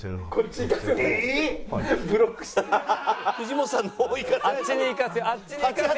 藤本さんの方行かせない。